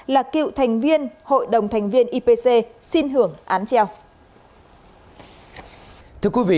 là cựu thành viên hội đồng thành viên ipc xin hưởng án treo